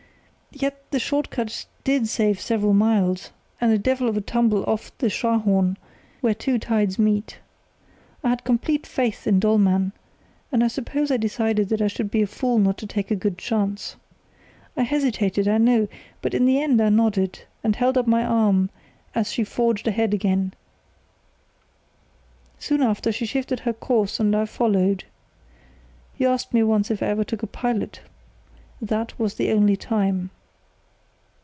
Yet the short cut did save several miles and a devil of a tumble off the Scharhorn, where two tides meet. I had complete faith in Dollmann, and I suppose I decided that I should be a fool not to take a good chance. I hesitated. I know; but in the end I nodded, and held up my arm as she forged ahead again. Soon after, she shifted her course and I followed. You asked me once if I ever took a pilot. That was the only time."